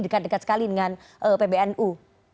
dekat dekat sekali dengan pbnu